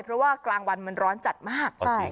เพราะว่ากลางวันมันร้อนจัดมาก